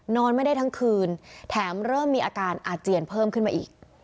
นอนไม่ได้ทั้งคืนแถมเริ่มมีอาการอาเจียนเพิ่มขึ้นมาอีก